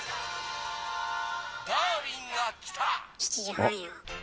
７時半よ。